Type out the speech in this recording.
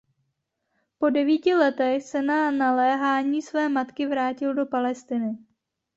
Po devíti letech se na naléhání své matky vrátil do Palestiny.